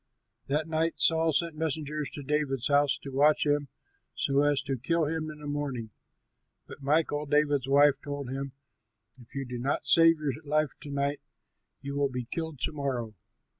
That night Saul sent messengers to David's house to watch him, so as to kill him in the morning. But Michal, David's wife, told him, "If you do not save your life to night, you will be killed to morrow."